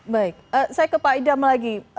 baik saya ke pak idam lagi